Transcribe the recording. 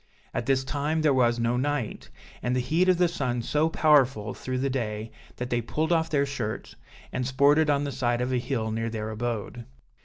At this time there was no night, and the heat of the sun so powerful through the day, that they pulled off their shirts, and sported on the side of a hill near their abode.